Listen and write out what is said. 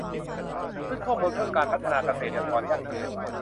ชุดข้อมูลเพื่อการพัฒนาเกษตรยั่งยืน